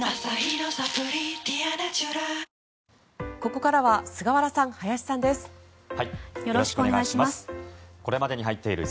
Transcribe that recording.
ここからは菅原さん、林さんです。